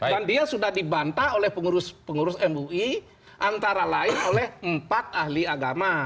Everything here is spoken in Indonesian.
dan dia sudah dibantah oleh pengurus mui antara lain oleh empat ahli agama